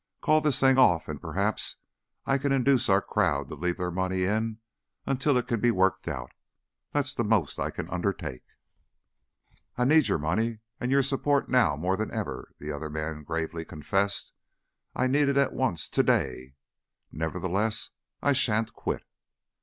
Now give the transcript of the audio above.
Call this thing off and perhaps I can induce our crowd to leave their money in until it can be worked out. That's the most I can undertake." "I need your money and your support now more than ever," the other man gravely confessed. "I need it at once; to day. Nevertheless, I sha'n't quit."